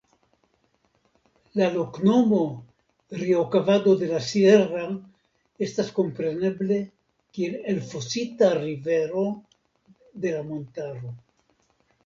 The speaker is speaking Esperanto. La loknomo "Riocavado de la Sierra" estas komprenebla kiel Elfosita Rivero de la Montaro.